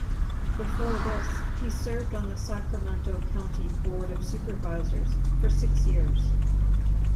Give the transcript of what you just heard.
Before this, he served on the Sacramento County Board of Supervisors for six years.